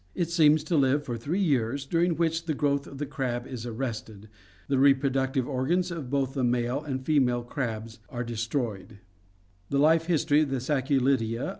It seems to live for three years, during which the growth of the crab is arrested. The reproductive organs of both male and female crabs are destroyed." ORGANIC EVOLUTION Fig.